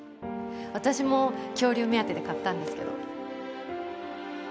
私も恐竜目当てで買ったんですけど。